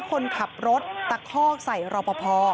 คนขับรถตะคอกใส่รอปภ